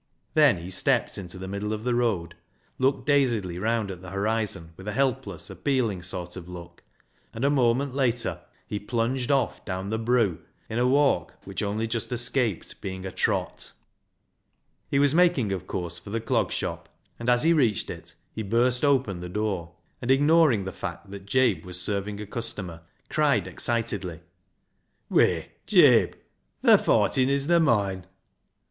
Then he stepped into the middle of the road, looked dazedly round at the horizon with a helpless, appealing sort of look, and a moment later he plunged off down the " broo " in a v/alk which only just escaped being a trot. 176 BECKSIDE LIGHTS He was making, of course, for the Clog Shop, and as he reached it, he burst open the door, and, ignoring the fact that Jabe was serving a customer, cried excitedly — "Whey, Jabe, the fortin isna moine."